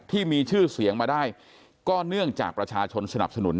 ที่มีชื่อเสียงมาได้ก็เนื่องจากประชาชนสนับสนุน